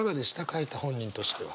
書いた本人としては。